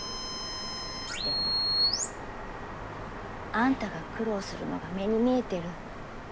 でもあんたが苦労するのが目に見えてる。